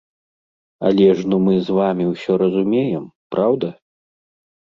Але ж ну мы з вамі ўсё разумеем, праўда?